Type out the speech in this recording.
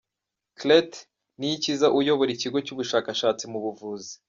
Clet Niyikiza uyobora ikigo cy’ubushakashatsi mu buvuzi.